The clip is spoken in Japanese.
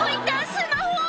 スマホ！